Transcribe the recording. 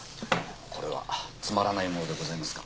これはつまらないものでございますが。